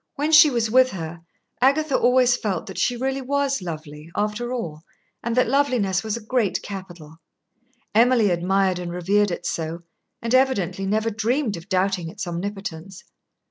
When she was with her, Agatha always felt that she really was lovely, after all, and that loveliness was a great capital. Emily admired and revered it so, and evidently never dreamed of doubting its omnipotence.